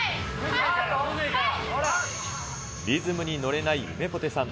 リズムに乗れないゆめぽてさん。